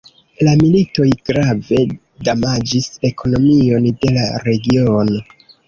La militoj grave damaĝis ekonomion de la regiono.